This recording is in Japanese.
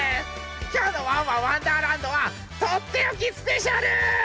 きょうの「ワンワンわんだーらんど」は「とっておきスペシャル」。